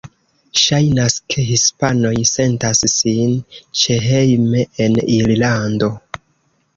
Ŝajnas, ke hispanoj sentas sin ĉehejme en Irlando.